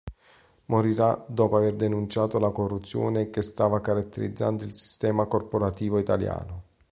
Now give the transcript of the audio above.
Morirà dopo aver denunciato la corruzione che stava caratterizzando il sistema corporativo italiano.